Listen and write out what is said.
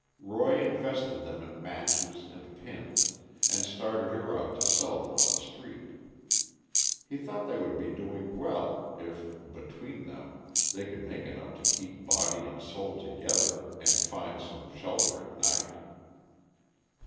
Roy invested them in matches and pins, and started her out to sell them on the street. He thought they would be doing well if, between them, they could make enough to keep body and soul together and find some shelter at night.